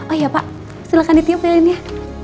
oh iya pak silahkan ditiup ke lainnya